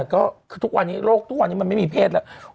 ก็คือลูกทุกวันนี้มันไม่มีเพชรแล้ว